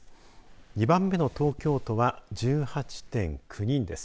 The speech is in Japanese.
２番目の東京都は１８．９人です。